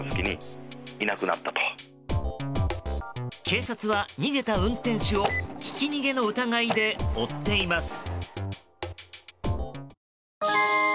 警察は逃げた運転手をひき逃げの疑いで追っています。